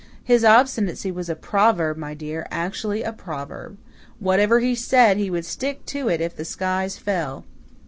His obstinacy was a proverb, my dear actually a proverb. What ever he said, he would stick to if the skies fell.